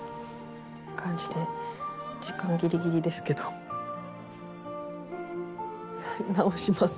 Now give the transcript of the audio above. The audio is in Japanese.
時間ギリギリですけど直します。